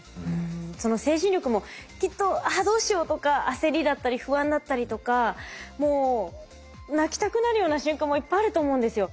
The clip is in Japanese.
その精神力もきっと「ああどうしよう」とか焦りだったり不安だったりとかもう泣きたくなるような瞬間もいっぱいあると思うんですよ。